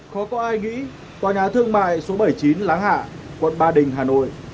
khó có ai nghĩ tòa nhà thương mại số bảy mươi chín láng hạ quận ba đình hà nội